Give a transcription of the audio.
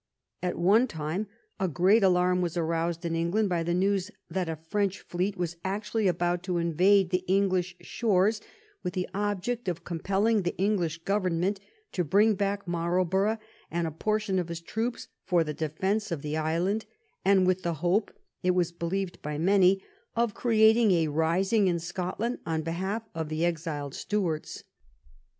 At one time a great alarm was aroused in England by the news that a French fleet was actually about to invade the English shores, with the object of compelling the English gov ernment to bring back Marlborough and a portion of his troops for the defence of the island, and with the 310 HARLET, THE NATION^S GREAT SUPPORT" hope, it was believed by many, of creating a rising in Scotland on behalf of the exiled Stuarts.